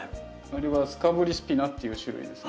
あれはスカブリスピナっていう種類です。